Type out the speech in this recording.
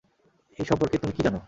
এই সম্পর্কে তুমি কি জান?